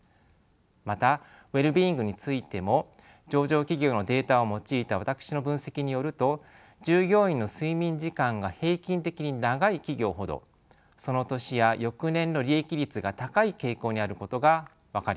またウェルビーイングについても上場企業のデータを用いた私の分析によると従業員の睡眠時間が平均的に長い企業ほどその年や翌年の利益率が高い傾向にあることが分かりました。